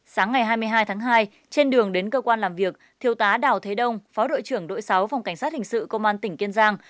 sáng ngày hai mươi hai tháng hai trên đường đến cơ quan làm việc thiếu tá đào thế đông phó đội trưởng đội sáu phòng cảnh sát hình sự công an tỉnh kiên giang